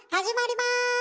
始まります！